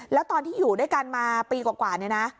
แล้วตอนที่อยู่ด้วยกันมาปีกว่าเนี่ยนะ